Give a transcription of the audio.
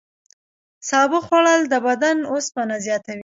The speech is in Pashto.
سابه خوړل د بدن اوسپنه زیاتوي.